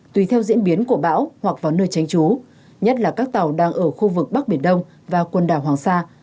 tùy theo diễn biến của bão hoặc vào nơi tránh trú nhất là các tàu đang ở khu vực bắc biển đông và quần đảo hoàng sa